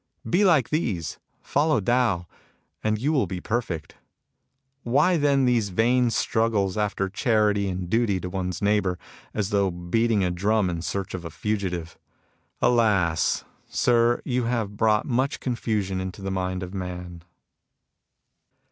Be like these ; follow Tao ; and you will be perfect. Why then these vain struggles after chmty and duty to one's neighbour, as though beating a drum in search of a fugitive ? Alas ! sir, you have brought much confusion into the mind of man."